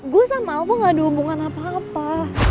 gue sama aku gak ada hubungan apa apa